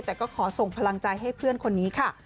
แต่ก็ขอส่งพลังใจให้เพื่อนคนนี้ค่ะ